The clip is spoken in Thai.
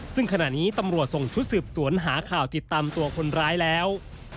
ซึ่งขณะนี้ตำรวจส่งชุดสืบสวนหาข่าวติดตามตัวคนร้ายแล้ว